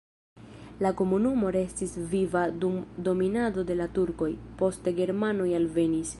La komunumo restis viva dum dominado de la turkoj, poste germanoj alvenis.